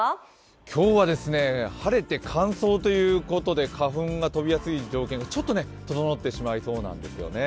今日は晴れて乾燥ということで花粉が飛びやすい条件がちょっと整ってしまいそうなんですよね。